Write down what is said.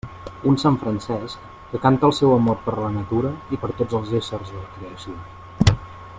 Un sant Francesc que canta el seu amor per la natura i per tots els éssers de la creació.